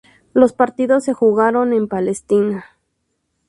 Los partidos se jugaron en Palestina.